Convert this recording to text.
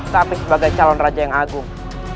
tapi sebagai calon raja yang agung